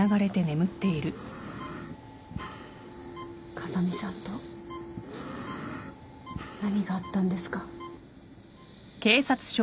風見さんと何があったんですか？